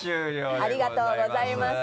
ありがとうございます。